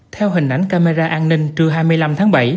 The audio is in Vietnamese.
theo hình ảnh camera an ninh trưa hai mươi năm tháng bảy